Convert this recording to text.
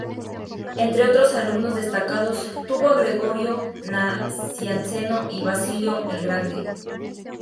Entre otros alumnos destacados, tuvo a Gregorio Nacianceno y Basilio el Grande.